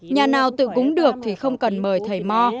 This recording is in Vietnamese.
nhà nào tự cúng được thì không cần mời thầy mò